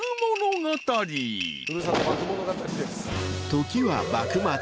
［時は幕末］